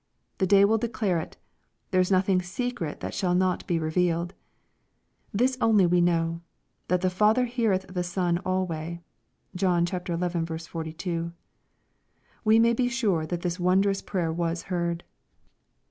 — The day will declare it. There is nothing secret that shall not be revealed. This only we know, that "the Father heareth the Son alway." (John xi. 42.) We may be sure that this won drous prayer was heard.